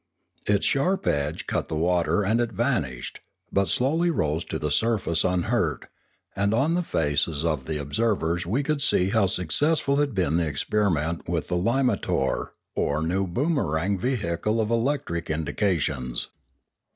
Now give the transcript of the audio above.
Its sharp edge cut the water and it vanished, but slowly rose to the surface unhurt, and on the faces of the observers we could see how successful had been the experiment with the limo tar, or new boomerang vehicle of electric indications.